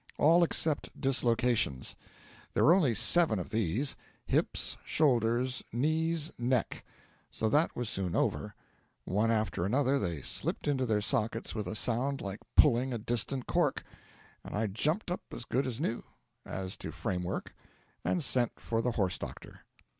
All except dislocations; there were only seven of these: hips, shoulders, knees, neck; so that was soon over; one after another they slipped into their sockets with a sound like pulling a distant cork, and I jumped up as good as new, as to framework, and sent for the horse doctor.